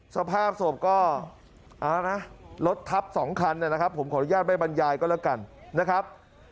สภาพศพก็เอานะรถทับ๒คันนะครับผมขออนุญาตไม่บรรยายก็แล้วกันนะครับ